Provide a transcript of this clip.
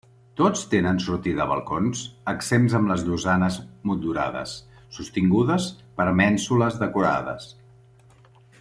Tots tenen sortida a balcons exempts amb les llosanes motllurades, sostingudes per mènsules decorades.